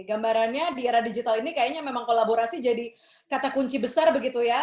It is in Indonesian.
gambarannya di era digital ini kayaknya memang kolaborasi jadi kata kunci besar begitu ya